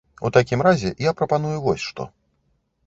У такім разе я прапаную вось што.